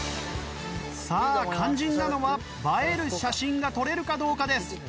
さあ肝心なのは映える写真が撮れるどうかです。